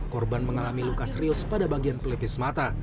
korban mengalami luka serius pada bagian pelipis mata